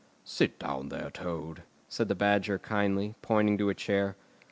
"Sit down there, Toad," said the Badger kindly, pointing to a chair.